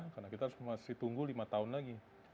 karena kita masih tunggu lima tahun lagi